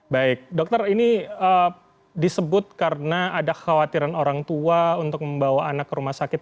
baik dokter ini disebut karena ada khawatiran orang tua untuk membawa anak ke rumah sakit